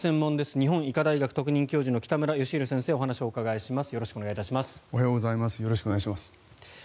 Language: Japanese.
日本医科大学特任教授の北村義浩さんにお話をお伺いします。